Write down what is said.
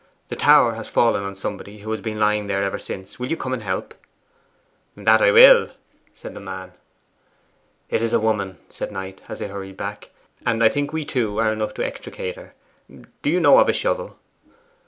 'The tower has fallen on somebody, who has been lying there ever since. Will you come and help?' 'That I will,' said the man. 'It is a woman,' said Knight, as they hurried back, 'and I think we two are enough to extricate her. Do you know of a shovel?